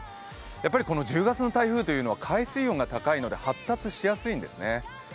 やはり１０月の台風というのは海水温が高いので発達しやすいんですね。